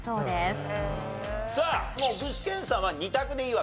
さあもう具志堅さんは２択でいいわけです。